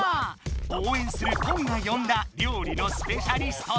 応援するポンが呼んだ料理のスペシャリストとは？